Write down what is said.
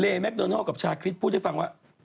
เรย์แม็กโนโน้ลกับชาคฤทธิ์พูดให้ฟังว่า